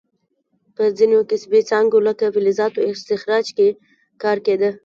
په ځینو کسبي څانګو لکه فلزاتو استخراج کې کار کیده.